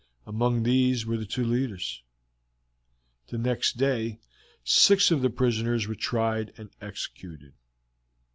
Among these were the two leaders. The next day six of the prisoners were tried and executed.